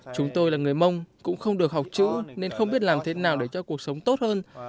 chúng tôi là người mông cũng không được học chữ nên không biết làm thế nào để cho cuộc sống tốt hơn